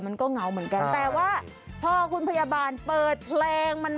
มันก็เหงาเหมือนกันแต่ว่าพอคุณพยาบาลเปิดเพลงมัน